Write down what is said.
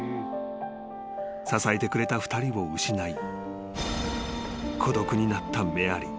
［支えてくれた２人を失い孤独になったメアリー］